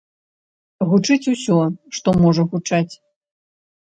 Гучыць усё, што можа гучаць.